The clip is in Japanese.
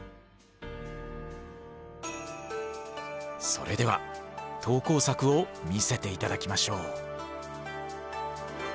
それでは投稿作を見せて頂きましょう。